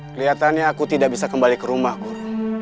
kelihatannya aku tidak bisa kembali ke rumah guru